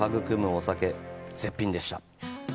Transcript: お酒、絶品でした。